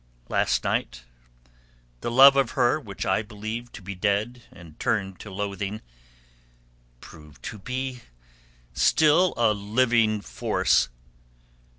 Last night the love of her which I believed to be dead and turned to loathing, proved to be still a living force.